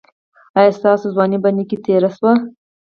ایا ستاسو ځواني په نیکۍ تیره شوه؟